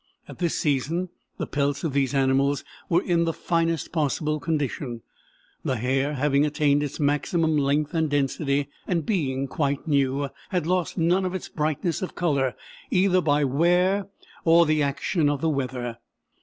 At this season the pelts of these animals were in the finest possible condition, the hair having attained its maximum length and density, and, being quite new, had lost none of its brightness of color, either by wear or the action of the weather.